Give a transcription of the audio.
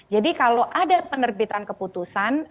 jadi kalau ada penerbitan keputusan